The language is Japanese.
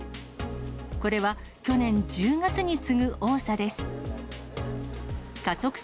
これは、去年１０月に次ぐ多さです。